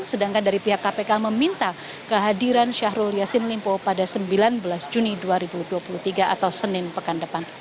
sedangkan dari pihak kpk meminta kehadiran syahrul yassin limpo pada sembilan belas juni dua ribu dua puluh tiga atau senin pekan depan